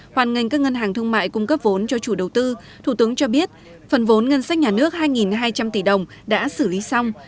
hoàn ngành các ngân hàng thương mại cung cấp vốn cho chủ đầu tư thủ tướng cho biết phần vốn ngân sách nhà nước hai hai trăm linh tỷ đồng đã xử lý xong